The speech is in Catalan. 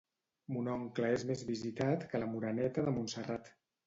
Mon oncle és més visitat que la Moreneta de Montserrat